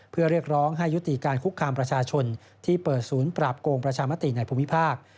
เพื่อเรียกร้องให้ยุติการคุกคามประชาชนที่เปิดศูนย์ปราบโกงประชามติในภูมิภาค